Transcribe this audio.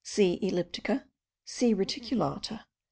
elliptica, C. reticulata, C.